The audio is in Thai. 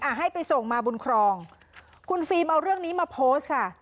ให้ไปส่งมาบนครองคุณฟิล์มเอาเรื่องนี้มาโพสต์ค่ะ